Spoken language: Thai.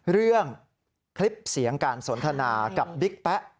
เรื่องคลิปเสียงการสนทนากับบิ๊กแป๊ะ